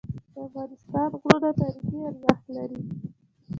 د افغانستان غرونه تاریخي ارزښت لري.